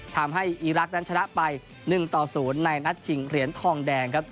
อีรักษ์นั้นชนะไป๑ต่อ๐ในนัดชิงเหรียญทองแดงครับ